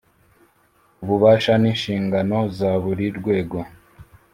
ububasha n inshingano za buri rwego